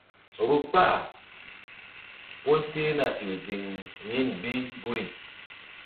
Vbukpa pol tehna ƴo ziŋ yin bi guri.